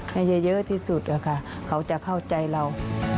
ให้เยอะที่สุดอะค่ะเขาจะเข้าใจเรา